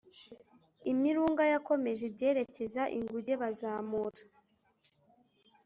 Imirunga yakomeje ibyerekeza inkuge bazamura